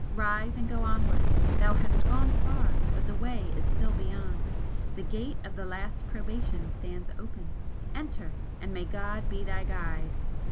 Rise and go onward! thou hast gone far, but the way is still beyond! The gate of the Last Probation stands open enter! and may God be thy Guide!"